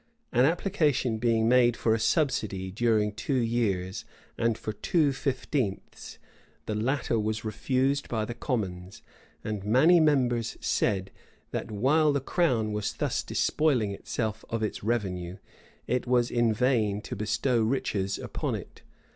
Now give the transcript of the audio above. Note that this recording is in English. An application being made for a subsidy during two years, and for two fifteenths, the latter was refused by the commons; and many members said, that while the crown was thus despoiling itself of its revenue, it was in vain to bestow riches upon it.